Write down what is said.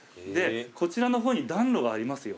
こちらの方に暖炉がありますよね。